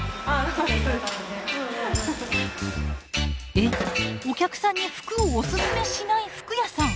えお客さんに服をオススメしない服屋さん！